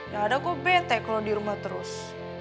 gak ada gue bete kalo dirumah terus